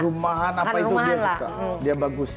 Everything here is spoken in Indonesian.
rumahan apa itu dia suka dia bagus